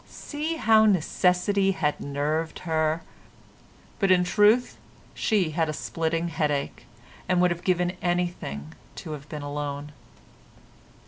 See how necessity had nerved her! But in truth she had a splitting headache, and would have given anything to have been alone.